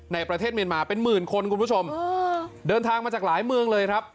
ประเทศเมียนมาเป็นหมื่นคนคุณผู้ชมเดินทางมาจากหลายเมืองเลยครับ